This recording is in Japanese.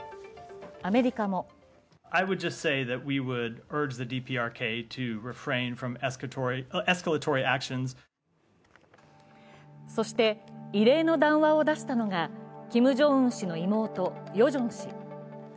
アメリカもそして、異例の談話を出したのがキム・ジョンウン氏の妹・ヨジョン氏。